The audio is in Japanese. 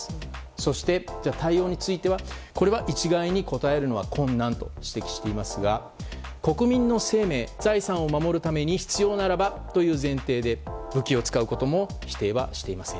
そして対応については一概に答えるのは困難と指摘していますが国民の生命・財産を守るために必要ならばという前提で武器を使うことも否定はしていません。